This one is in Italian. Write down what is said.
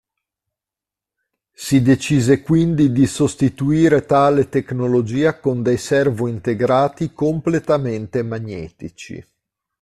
Si decise quindi di sostituire tale tecnologia con dei servo integrati completamente magnetici.